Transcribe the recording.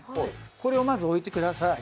これをまず置いてください。